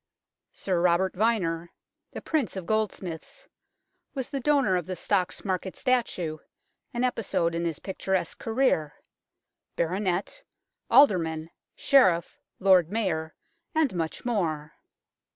Sir Robert Vyner, " the Prince of Goldsmiths," was the donor of the Stocks Market statue, an episode in his picturesque career Baronet, Alderman, Sheriff, Lord Mayor, and much more.